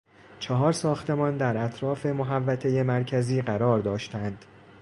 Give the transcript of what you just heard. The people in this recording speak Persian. چهار ساختمان در اطراف محوطهی مرکزی قرار داشتند.